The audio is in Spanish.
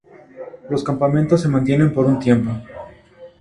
Los campamentos se mantienen por un tiempo.